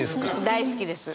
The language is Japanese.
大好きです。